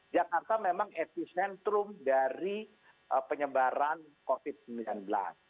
jakarta memang epicentrum dari penyebaran covid sembilan belas